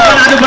wah udah mulai